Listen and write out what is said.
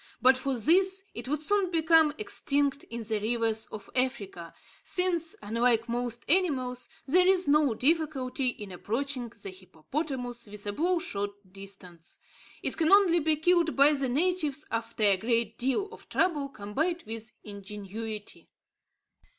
But for this, it would soon become extinct in the rivers of Africa, since, unlike most animals, there is no difficulty in approaching the hippopotamus within bow shot distance. It can only be killed by the natives after a great deal of trouble combined with ingenuity.